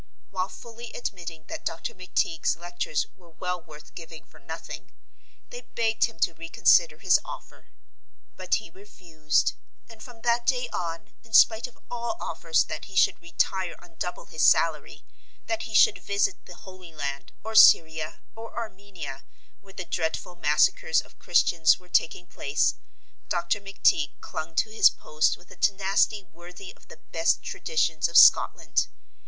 While fully admitting that Dr. McTeague's lectures were well worth giving for nothing, they begged him to reconsider his offer. But he refused; and from that day on, in spite of all offers that he should retire on double his salary, that he should visit the Holy Land, or Syria, or Armenia, where the dreadful massacres of Christians were taking place, Dr. McTeague clung to his post with a tenacity worthy of the best traditions of Scotland.